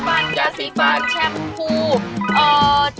น้ำยาบ้วนปาก